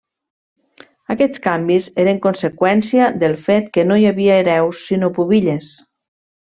Aquests canvis eren conseqüència del fet que no hi havia hereus sinó pubilles.